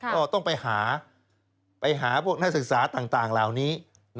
ก็ต้องไปหาพวกนักศึกษาต่างเหล่านี้